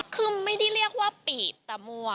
คือไม่ได้เรียกว่าปีดตะมั่ว